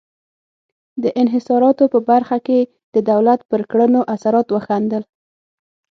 د انحصاراتو په برخه کې د دولت پر کړنو اثرات وښندل.